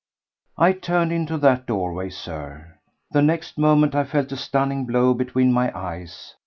I turned into that doorway, Sir; the next moment I felt a stunning blow between my eyes.